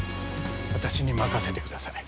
私に任せてください。